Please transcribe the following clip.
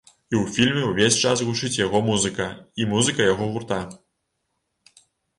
І ў фільме ўвесь час гучыць яго музыка і музыка яго гурта.